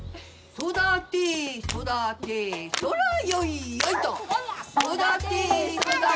「育て育てそらよいよい」